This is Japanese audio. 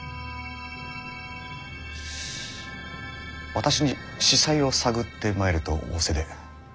私に子細を探ってまいれと仰せで？